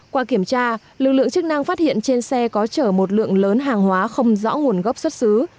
qua kiểm tra lực lượng chức năng phát hiện trên xe có chở một lượng lớn hàng hóa không rõ nguồn gốc xuất xứ